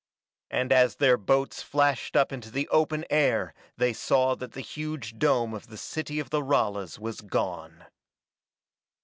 And as their boats flashed up into the open air they saw that the huge dome of the city of the Ralas was gone.